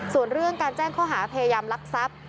ส่วนเรื่องการแจ้งข้อหาพยายามลักทรัพย์